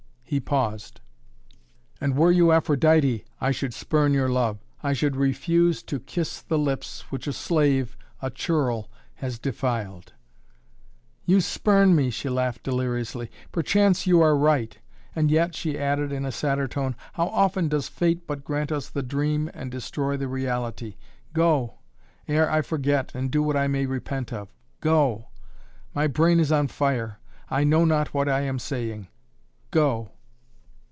He paused. "And were you Aphrodite, I should spurn your love, I should refuse to kiss the lips, which a slave, a churl has defiled." "You spurn me," she laughed deliriously. "Perchance, you are right. And yet," she added in a sadder tone, "how often does fate but grant us the dream and destroy the reality. Go ere I forget, and do what I may repent of. Go! My brain is on fire. I know not what I am saying. Go!"